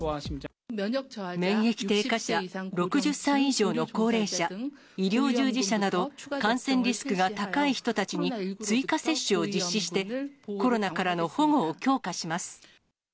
免疫低下者、６０歳以上の高齢者、医療従事者など、感染リスクが高い人たちに追加接種を実施して、コロナからの保護を強化します。